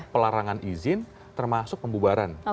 pelarangan izin termasuk pembubaran